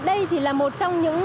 đây chỉ là một trong những